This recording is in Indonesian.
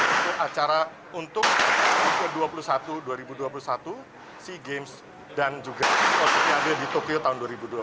itu acara untuk dua ribu dua puluh satu sea games dan juga konsultasi di tokyo tahun dua ribu dua puluh